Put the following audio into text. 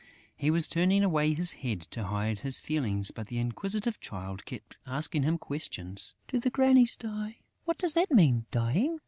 He was turning away his head, to hide his feelings; but the inquisitive Child kept asking him questions: "Do the grannies die?... What does that mean, dying?"